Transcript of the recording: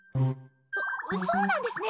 そうなんですね。